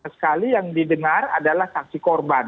sekali yang didengar adalah saksi korban